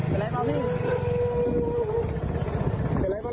เป็นไรเปล่าพี่